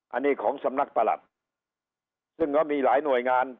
อันนี้ของสำนักประหลัดซึ่งก็มีหลายหน่วยงาน